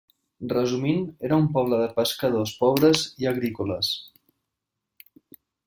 Resumint, era un poble de pescadors pobres i agrícoles.